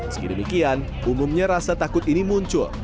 sekidemikian umumnya rasa takut ini muncul